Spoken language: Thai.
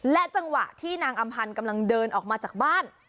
จังหวะที่นางอำพันธ์กำลังเดินออกมาจากบ้าน